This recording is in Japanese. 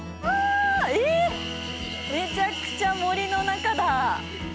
めちゃくちゃ森の中だ。